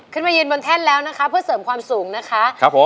ขึ้นมายืนบนแท่นแล้วนะคะเพื่อเสริมความสูงนะคะครับผม